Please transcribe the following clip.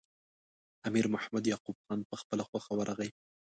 امیر محمد یعقوب خان په خپله خوښه ورغی.